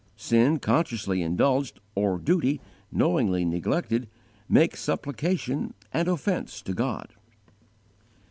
Sin, consciously indulged, or duty, knowingly neglected, makes supplication an offence to God.